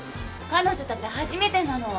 彼女たち初めてなの。